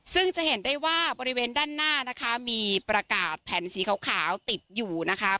ซึ่งจะเห็นได้ว่าบริเวณด้านหน้านะคะมีประกาศแผ่นสีขาวติดอยู่นะคะ